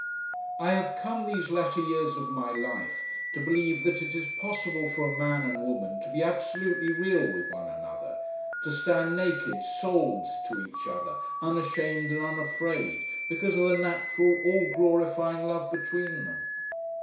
I have come these latter years of my life to believe that it is possible for a man and woman to be absolutely real with one another, to stand naked souled to each other, unashamed and unafraid, because of the natural all glorifying love between them.